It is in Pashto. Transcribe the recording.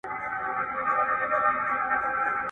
حکومتونه تل خپلو خلګو ته دروغ وایي.